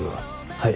はい。